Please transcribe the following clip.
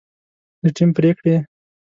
د ټیم پرېکړې